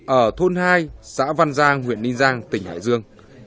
ở thôn hai xã văn giang huyện ninh giang tỉnh hải dương